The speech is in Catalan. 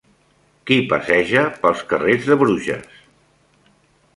Qui passeja pels carrers de Bruges?